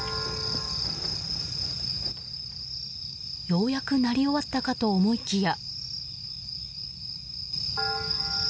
ようやく鳴り終わったかと思いきや。